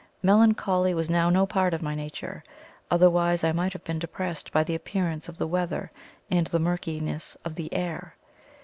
Melancholy was now no part of my nature, otherwise I might have been depressed by the appearance of the weather and the murkiness of the air.